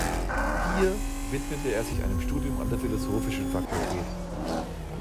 Hier widmete er sich einem Studium an der philosophischen Fakultät.